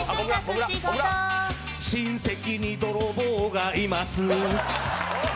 親戚に泥棒がいます。